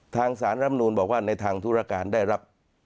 ทางสารรำนูนบอกว่าในทางธุรการได้รับ